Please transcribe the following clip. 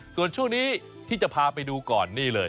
ส่วนช่วงนี้ที่จะพาไปดูก่อนนี่เลย